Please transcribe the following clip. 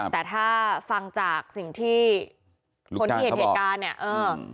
แต่ถ้าฟังจากสิ่งที่คนที่เห็นเหตุการณ์เนี่ยเออ